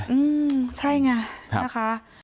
อืมใช่ไงนะคะ